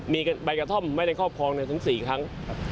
มีใบกระท่อมไว้ในครอบครองในส่วนสี่ครั้ง